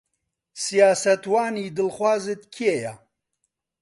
سیاسەتوانی دڵخوازت کێیە؟